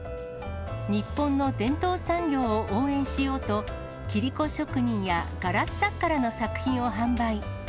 日本の伝統産業を応援しようと、切り子職人やガラス作家らの作品を販売。